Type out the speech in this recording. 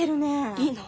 いいの。